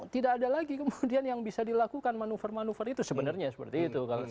tidak ada lagi kemudian yang bisa dilakukan manuver manuver itu sebenarnya seperti itu